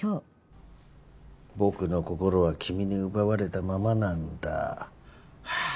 「僕の心は君に奪われたままなんだ」はあ